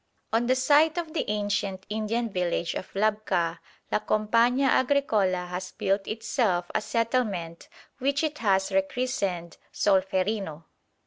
On the site of the ancient Indian village of Labcah La Compañía Agricola has built itself a settlement which it has rechristened Solferino.